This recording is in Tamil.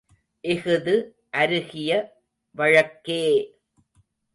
இஃது அருகிய வழக்கே!